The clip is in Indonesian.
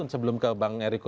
sebelum ke bang eriko